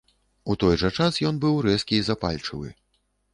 У той жа час ён быў рэзкі і запальчывы.